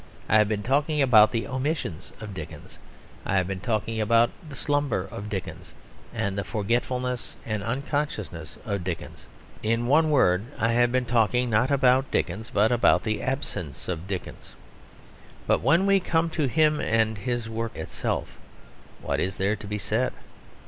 I have been talking about the omissions of Dickens. I have been talking about the slumber of Dickens and the forgetfulness and unconsciousness of Dickens. In one word, I have been talking not about Dickens, but about the absence of Dickens. But when we come to him and his work itself, what is there to be said?